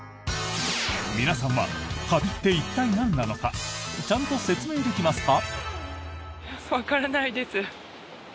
皆さんはカビって一体なんなのかちゃんと説明できますか？